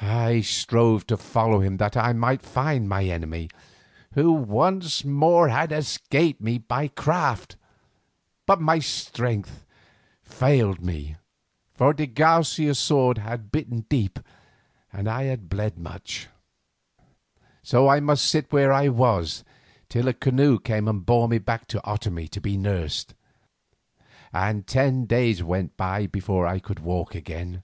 I strove to follow him that I might find my enemy, who once more had escaped me by craft, but my strength failed me, for de Garcia's sword had bitten deep and I bled much. So I must sit where I was till a canoe came and bore me back to Otomie to be nursed, and ten days went by before I could walk again.